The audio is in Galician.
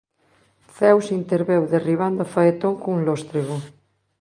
Zeus interveu derribando a Faetón cun lóstrego.